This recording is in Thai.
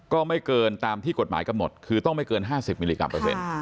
ก็ไม่เกินตามที่กฎหมายกำหนดคือต้องไม่เกิน๕๐มิลลิกรัเปอร์เซ็นต์